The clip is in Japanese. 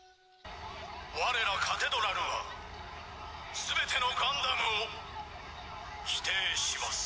我らカテドラルは全てのガンダムを否定します。